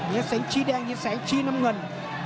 เหนียวเสียงชีแดงเหนียวเสียงชีน้ำเงิน